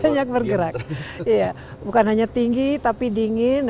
banyak bergerak bukan hanya tinggi tapi dingin